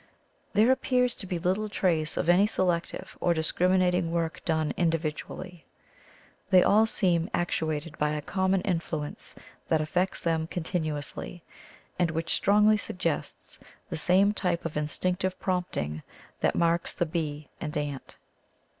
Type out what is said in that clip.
There ap pears to be little trace of any selective or discriminating work done individually. They all seem actuated by a common influence that affects them continuously, and which strongl}^ suggests the same tyi^e of instinc tive prompting that marks the bee and ant.